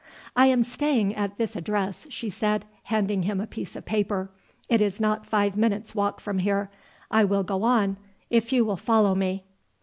"I am staying at this address," she said, handing him a piece of paper. "It is not five minutes' walk from here. I will go on, if you will follow me."